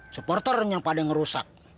supporternya pada ngerusak